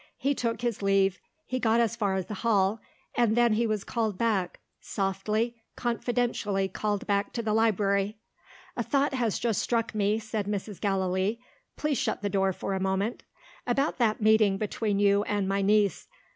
He took his leave; he got as far as the hall; and then he was called back softly, confidentially called back to the library. "A thought has just struck me," said Mrs. Gallilee. "Please shut the door for a moment. About that meeting between you and my niece?